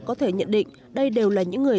có thể nhận định đây đều là những người